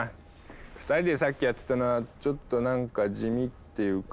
２人でさっきやってたのはちょっとなんか地味っていうか。